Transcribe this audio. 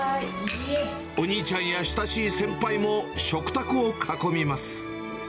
お兄ちゃんや親しい先輩も食卓を囲みます。